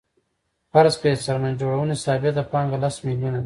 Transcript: فرض کړئ د څرمن جوړونې ثابته پانګه لس میلیونه ده